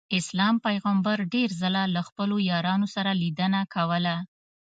اسلام پیغمبر ډېر ځله له خپلو یارانو سره لیدنه کوله.